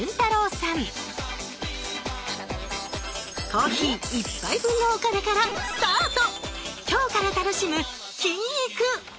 コーヒー１杯分のお金からスタート！